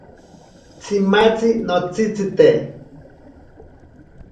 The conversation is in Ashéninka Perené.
Tsimatzi notsitsite.